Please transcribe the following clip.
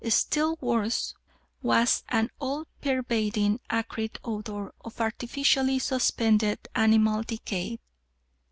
Still worse was an all pervading, acrid odour of artificially suspended animal decay.